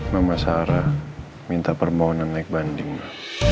mama sarah minta permohonan naik bandingmu